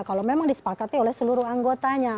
kalau memang disepakati oleh seluruh anggotanya